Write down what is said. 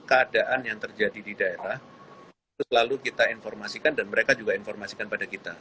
keadaan yang terjadi di daerah itu selalu kita informasikan dan mereka juga informasikan pada kita